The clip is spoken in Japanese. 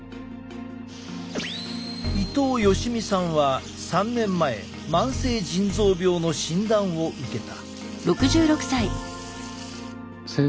伊東好三さんは３年前慢性腎臓病の診断を受けた。